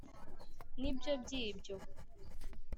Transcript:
ni byo by’ibyo.